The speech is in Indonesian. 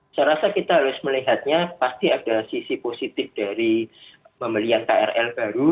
saya rasa kita harus melihatnya pasti ada sisi positif dari pembelian krl baru